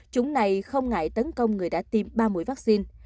chúng này không ngại tấn công người đã tiêm ba mũi vaccine